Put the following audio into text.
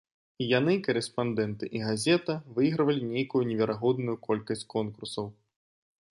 І яны, карэспандэнты, і газета, выйгравалі нейкую неверагодную колькасць конкурсаў.